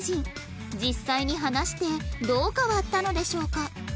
実際に話してどう変わったのでしょうか？